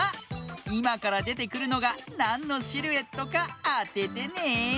いまからでてくるのがなんのシルエットかあててね。